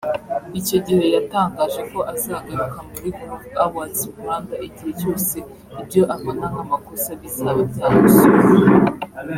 Icyo gihe yatangaje ko azagaruka muri Groove Awards Rwanda igihe cyose ibyo abona nk'amakosa bizaba byakosowe